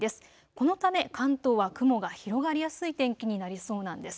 このため関東は雲が広がりやすい天気になりそうなんです。